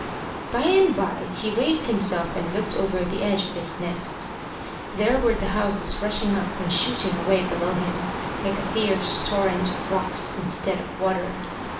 By and by he raised himself and looked over the edge of his nest. There were the houses rushing up and shooting away below him, like a fierce torrent of rocks instead of water.